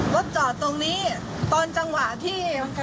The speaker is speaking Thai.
รถจอดตรงนี้ตอนจังหวะที่